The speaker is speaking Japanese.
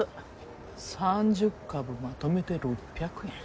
３０株まとめて６００円。